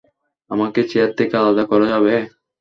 আমাকে চেয়ার থেকে আলাদা করা যাবে?